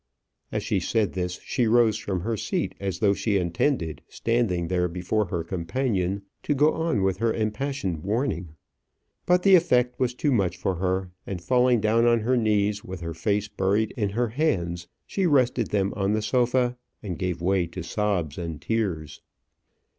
As she said this she rose from her seat as though she intended, standing there before her companion, to go on with her impassioned warning. But the effect was too much for her; and falling down on her knees, with her face buried in her hands, she rested them on the sofa, and gave way to sobs and tears.